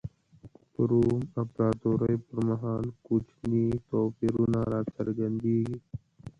په روم امپراتورۍ پر مهال کوچني توپیرونه را څرګندېږي.